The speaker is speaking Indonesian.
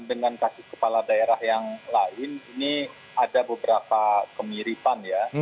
dengan kasus kepala daerah yang lain ini ada beberapa kemiripan ya